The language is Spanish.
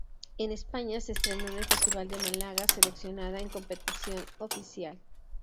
En España, se estrenó en el Festival de Málaga, seleccionada en competición oficial.